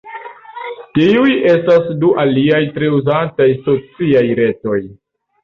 Tiuj estas du aliaj tre uzataj sociaj retoj.